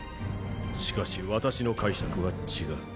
しかし私の解釈は違う。